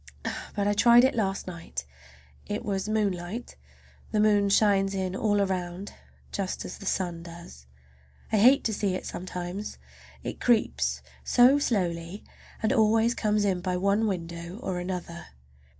But I tried it last night. It was moonlight. The moon shines in all around, just as the sun does. I hate to see it sometimes, it creeps so slowly, and always comes in by one window or another.